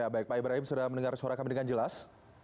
baik pak ibrahim sudah mendengar suara kami dengan jelas